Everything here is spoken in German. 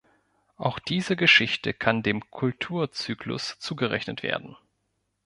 Auch diese Geschichte kann dem Kultur-Zyklus zugerechnet werden.